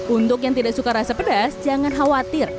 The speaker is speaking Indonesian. untuk yang tidak suka rasa pedas jangan khawatir